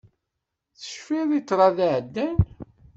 Tecfiḍ i ṭṭrad iɛeddan.